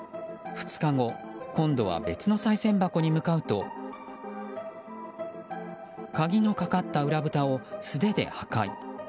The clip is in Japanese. ２日後、今度は別のさい銭箱に向かうと鍵のかかった裏ぶたを素手で破壊。